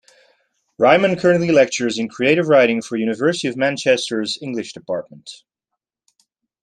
Ryman currently lectures in Creative Writing for University of Manchester's English Department.